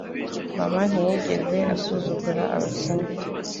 mama ntiyigeze asuzugura abakene.